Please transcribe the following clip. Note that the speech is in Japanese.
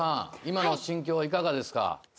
今の心境はいかがですか？